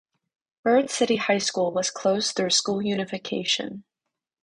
Bird City High School was closed through school unification.